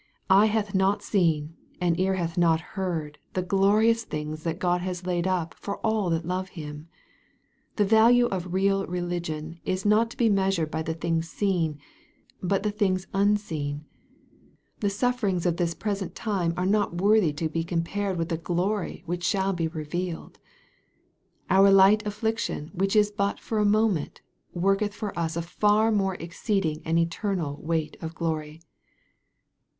Eye hath not seen, and ear hath not heard the glorious things that God has laid up for all that love Him. The value of real religion is not to be measured by the things seen, but the things unseen. " The sufferings of this present time are not worthy to be compared with the glory which shall be revealed." " Our light affliction, which is but for a moment, worketh for us a far more exceeding and eternal weight of glory."